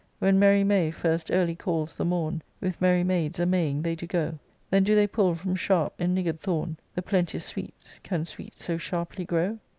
When merry May first early calls the mom, With merry maids a Maying they do go : Then do they pull from sharp and niggard thorn The plenteous sweets (can sweets so sharply grow